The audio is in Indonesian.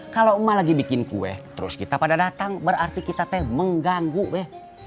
kalau emak lagi bikin kue terus kita pada datang berarti kita teh mengganggu weh